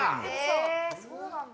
えそうなんだ。